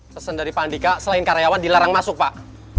pesan dari pak andika selain karyawan dilarang masuk pak